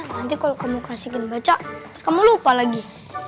nanti kalau kamu kasihin baca kamu lupa lagi